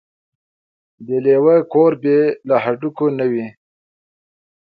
ـ د لېوه کور بې له هډوکو نه وي.